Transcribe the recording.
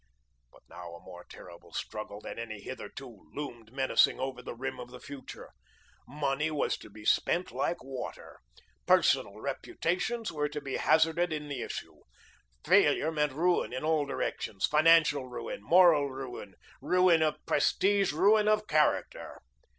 But now a more terrible struggle than any hitherto loomed menacing over the rim of the future; money was to be spent like water; personal reputations were to be hazarded in the issue; failure meant ruin in all directions, financial ruin, moral ruin, ruin of prestige, ruin of character.